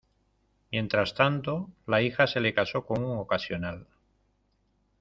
Mientras tanto, la hija se le casó con un ocasional.